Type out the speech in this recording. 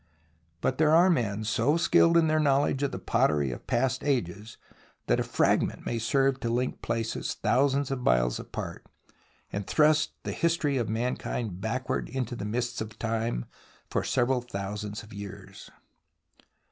But there are men so skilled in their knowledge of the pottery of past ages that a frag ment may serve to hnk places thousands of miles THE ROMANCE OF EXCAVATION 19 apart, and thrust the history of mankind backward into the mists of time for several thousands of years.